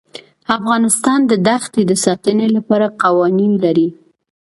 افغانستان د دښتې د ساتنې لپاره قوانین لري.